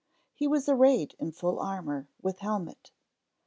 He was arrayed in full armor, with helmet.